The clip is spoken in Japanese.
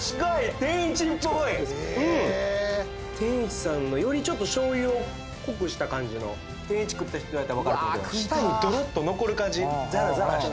天一さんのよりちょっと醤油を濃くした感じの天一食った人やったらわかると思うけど舌にドロッと残る感じザラザラ